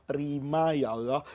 terima ya allah